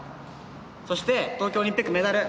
そして東京オリンピックメダル。